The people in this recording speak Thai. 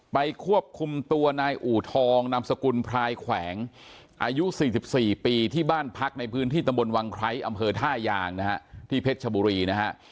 ควบคุมตัวนายอู่ทองนามสกุลพลายแขวงอายุ๔๔ปีที่บ้านพักในพื้นที่ตำบลวังไคร้อำเภอท่ายางนะฮะที่เพชรชบุรีนะฮะ